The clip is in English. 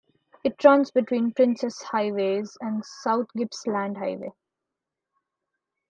It runs between Princes Highway and South Gippsland Highway.